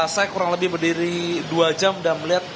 saya kurang lebih berdiri dua jam dan melihat